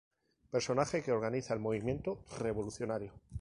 Personaje que organiza el movimiento revolucionario.